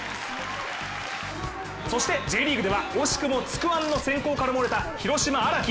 そしてＪリーグでは惜しくも「つくワン」の選考から漏れた広島・荒木。